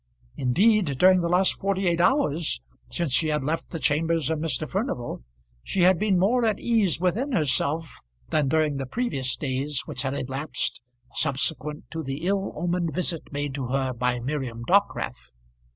Indeed, during the last forty eight hours, since she had left the chambers of Mr. Furnival, she had been more at ease within herself than during the previous days which had elapsed subsequent to the ill omened visit made to her by Miriam Dockwrath.